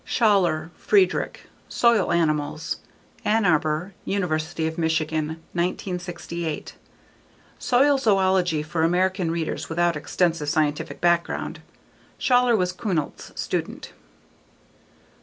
Schaller, Friedrich. _Soil Animals. _Ann Arbor: University of Michigan, 1968. Soil zoology for American readers without extensive scientific background. Shaler was Kuhnelt's student.